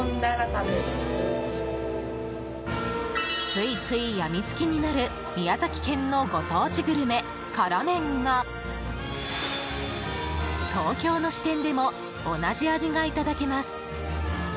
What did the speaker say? ついついやみつきになる宮崎県のご当地グルメ、辛麺が東京の支店でも同じ味がいただけます。